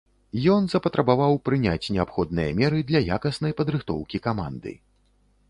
Ён запатрабаваў прыняць неабходныя меры для якаснай падрыхтоўкі каманды.